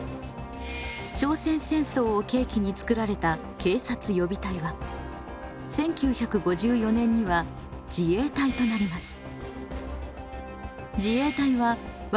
朝鮮戦争を契機につくられた警察予備隊は１９５４年には自衛隊となります。